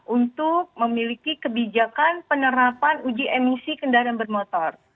untuk memiliki kebijakan penerapan uji emisi kendaraan bermotor